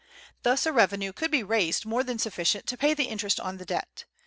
Thus a revenue could be raised more than sufficient to pay the interest on the debt.